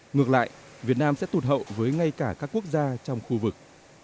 ngược lại việt nam sẽ tụt hậu với ngay cả các quốc gia trong khu vực